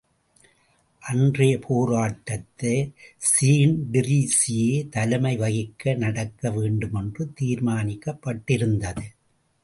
அன்றைய போராட்டத்தை ஸீன் டிரிஸியே தலைமை வகித்து நடக்க வேண்டுமென்று தீர்மானிக்கப்பட்டிருந்தது.